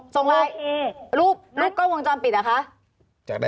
ส่งรายรูปกล้องวงจำปิดนะคะ